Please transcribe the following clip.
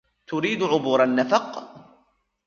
تريد عبور النفق ؟